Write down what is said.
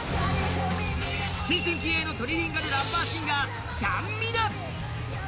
新進気鋭のトリリンガルラッパー・ちゃんみな！